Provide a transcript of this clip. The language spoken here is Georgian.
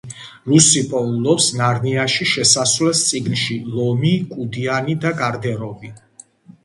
ლუსი პოულობს ნარნიაში შესასვლელს წინგში „ლომი, კუდიანი და გარდერობი“.